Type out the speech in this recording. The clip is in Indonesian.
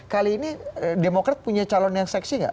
kali ini demokrat punya calon yang seksi nggak